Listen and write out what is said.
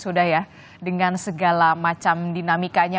sudah ya dengan segala macam dinamikanya